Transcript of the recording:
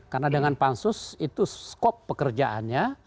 karena dengan pansus itu skop pekerjaannya